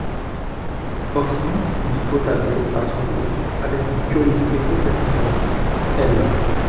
Ainsi, dit Ottavio, à son tour, avec une curiosité compatissante, M.